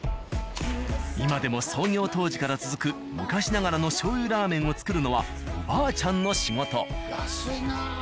今でも創業当時から続く昔ながらのしょうゆラーメンを作るのはおばあちゃんの仕事。